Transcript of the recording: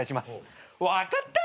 「分かった！」